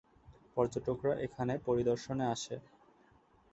পর্যটকরা এখানে পরিদর্শনে আসে।